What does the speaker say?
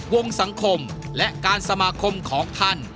วงสังคมและการสมาคมของท่าน